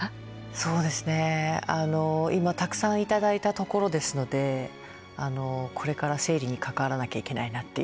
そうですね今たくさん頂いたところですのでこれから整理にかからなきゃいけないなっていう感じなんですけど。